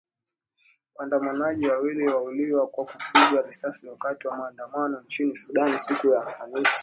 Waandamanaji wawili waliuawa kwa kupigwa risasi wakati wa maandamano nchini Sudan siku ya Alhamis!!